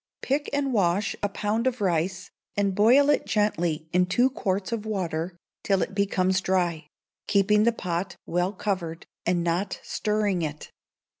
Pick and wash a pound of rice, and boil it gently in two quarts of water till it becomes dry keeping the pot well covered, and not stirring it.